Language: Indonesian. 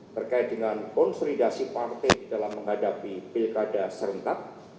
terkait dengan konsolidasi partai dalam menghadapi pilkada serentak